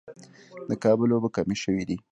د کابل اوبه کمې شوې دي